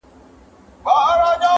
o تور مار مه وژنه، تور جت مړ که!